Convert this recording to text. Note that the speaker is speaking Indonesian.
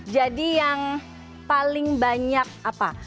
jadi yang paling banyak apa